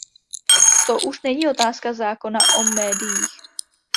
To už není otázka zákona o médiích!